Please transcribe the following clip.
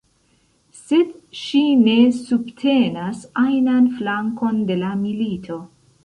Sed ŝi ne subtenas ajnan flankon de la milito.